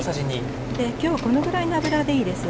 きょうこのぐらいの油でいいです。